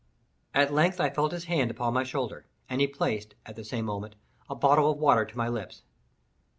At length I felt his hand upon my shoulder, and he placed, at the same moment, a bottle of water to my lips.